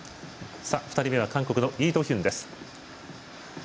２人目は韓国のイ・ドヒュン。